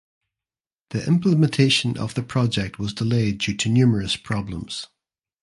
The implementation of the project was delayed due to numerous problems.